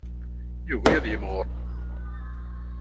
Yugi ad yimɣur.